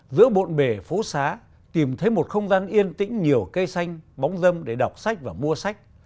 giữa bộn bề phố xá tìm thấy một không gian yên tĩnh nhiều cây xanh bóng dâm để đọc sách và mua sách